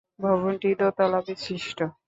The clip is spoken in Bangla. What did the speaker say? ভবনটি দোতলা বিশিষ্ট।